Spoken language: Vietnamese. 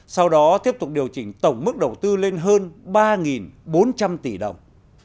sau đó tiếp tục điều chỉnh tổng mức đầu tư lên hơn ba bốn trăm linh tỷ đồng